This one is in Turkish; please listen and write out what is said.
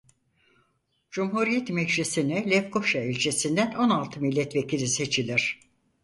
Cumhuriyet Meclisi'ne Lefkoşa İlçesi'nden on altı milletvekili seçilir.